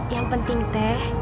yang penting teh